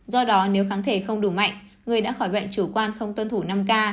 do đó nếu kháng thể không đủ mạnh người đã khỏi bệnh chủ quan không tuân thủ năm k